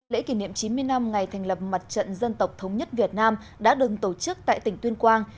lễ kỷ niệm chín mươi năm ngày thành lập mặt trận dân tộc thống nhất việt nam đã đừng tổ chức tại tỉnh tuyên quang